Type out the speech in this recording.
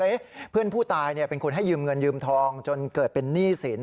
เพื่อนผู้ตายเป็นคนให้ยืมเงินยืมทองจนเกิดเป็นหนี้สิน